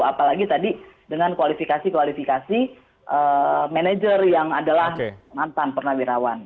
apalagi tadi dengan kualifikasi kualifikasi manajer yang adalah mantan purnawirawan